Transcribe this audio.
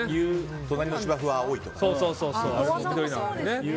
隣の芝生は青いとかね。